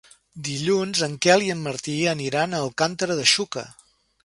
Dilluns en Quel i en Martí aniran a Alcàntera de Xúquer.